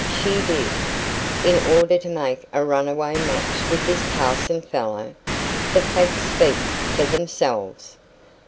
"She did." "In order to make a runaway match with this parson fellow. The facts speak for themselves."